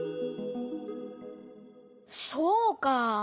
そうかあ！